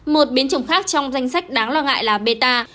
một biến chủng khác trong danh sách đáng lo ngại là beta